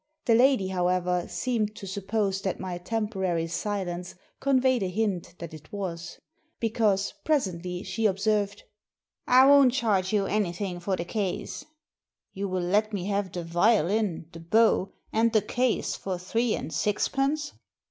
The lady, however, seemed to suppose that my temporary silence conveyed a hint that it was. Because, pre sently, she observed —I won't charge you anything for the case." '* You will let me have the violin, the bow, and the case for three and sixpence